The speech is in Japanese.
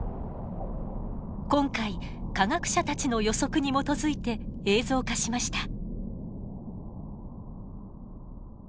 今回科学者たちの予測に基づいて映像化しました。